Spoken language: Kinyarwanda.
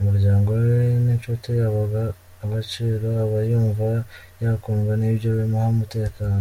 Umuryango we n’inshuti abaha agaciro, aba yumva yakundwa, nibyo bimuha umutekano.